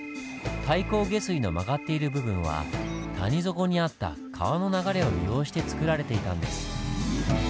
太閤下水の曲がっている部分は谷底にあった川の流れを利用してつくられていたんです。